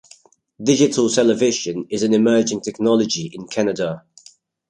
Digital television is an emerging technology in Canada.